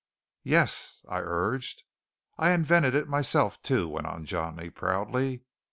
"Yes?" I urged. "I invented it myself, too," went on Johnny proudly.